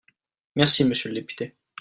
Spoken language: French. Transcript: Merci, monsieur le député